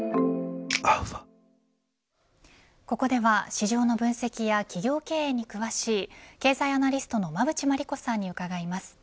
ここでは、市場の分析や企業経営に詳しい経済アナリストの馬渕磨理子さんに伺います。